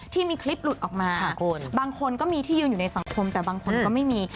ที่มีคลิปหลุดออกมาบางคนก็มีที่ยืนอยู่ในสังคมแต่บางคนก็ไม่มี